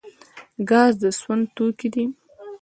ګاز د سون توکی دی